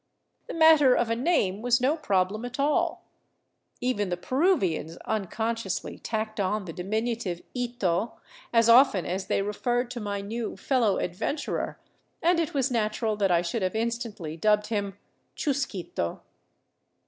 The matter of a name was no problem at all. Even the Peruvians unconsciously tacked on the diminutive ito as often as they referred to my new fellow adven turer, and it was natural that I should have instantly dubbed him Chusquito.